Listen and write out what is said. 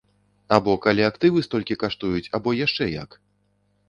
Або калі актывы столькі каштуюць, або яшчэ як?